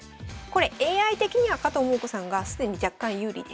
これＡＩ的には加藤桃子さんが既に若干有利です。